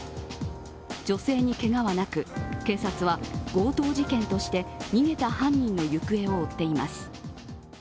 女性にけがはなく、警察は強盗事件として逃げた犯人の行方を追っています。